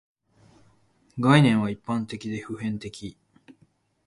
概念は一般的で普遍的